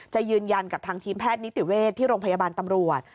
จะยืนยันกับทางทีมแพทย์นิติเวชที่โรงพยาบาลตำรวจ